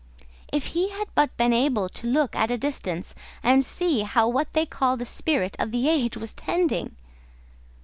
If he had but been able to look to a distance, and see how what they call the spirit of the age was tending!